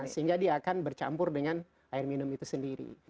sehingga dia akan bercampur dengan air minum itu sendiri